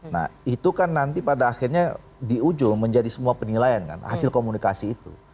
nah itu kan nanti pada akhirnya di ujung menjadi semua penilaian kan hasil komunikasi itu